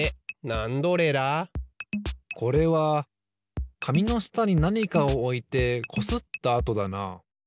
これは紙の下になにかをおいてこすった跡だな。